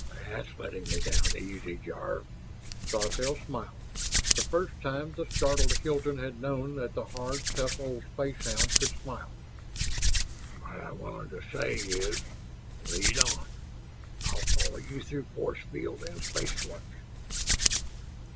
"That's letting me down easy, Jarve." Sawtelle smiled the first time the startled Hilton had known that the hard, tough old spacehound could smile. "What I wanted to say is, lead on. I'll follow you through force field and space warps."